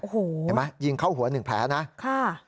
เห็นไหมยิงเข้าหัว๑แผลนะครับค่ะ